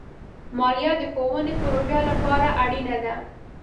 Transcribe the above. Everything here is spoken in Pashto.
مالیه د ښوونې پروژو لپاره اړینه ده.